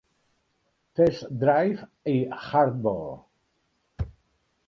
Test Drive i Hardball!